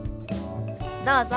どうぞ。